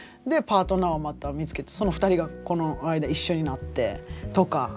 でパートナーをまた見つけてその２人がこの間一緒になってとか。